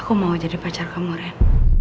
aku mau jadi pacar kamu ren